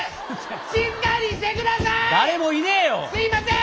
すいません！